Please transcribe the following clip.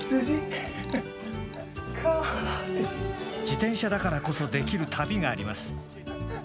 自転車だからこそできる旅があります。